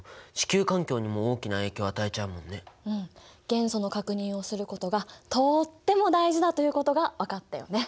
元素の確認をすることがとっても大事だということが分かったよね？